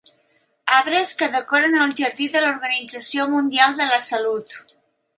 Arbres que decoren el jardí de l'Organització Mundial de la Salut.